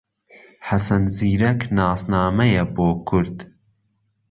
حەسەن زیرەک ناسنامەیە بۆ کورد